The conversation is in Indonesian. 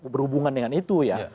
berhubungan dengan itu ya